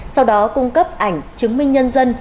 sau đó cung cấp ảnh chứng minh nhân dân